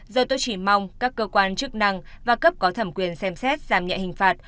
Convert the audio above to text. giờ tôi chỉ mong các cơ quan chức năng và cấp có thẩm quyền xem xét giảm nhẹ hình phạt